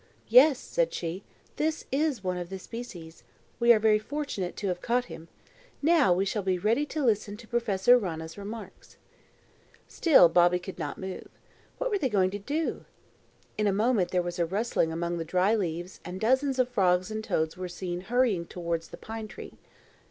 "Yes," said she; "this is one of the species. We are very fortunate to have caught him. Now we shall be ready to listen to Professor Rana's remarks." Still Bobby could not move. What were they going to do? In a moment there was a rustling among the dry leaves and dozens of frogs and toads were seen hurrying towards the pine tree.